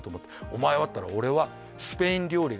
「お前は？」っつったら「俺はスペイン料理が」